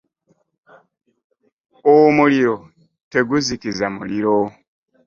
Omuliro teguzikiza muliro.